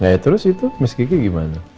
ya terus itu miss kiki gimana